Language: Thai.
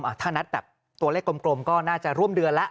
ถ้านัดแบบตัวเลขกลมก็น่าจะร่วมเดือนแล้ว